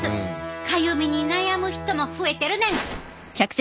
かゆみに悩む人も増えてるねん。